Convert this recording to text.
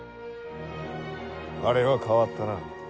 あれは変わったな。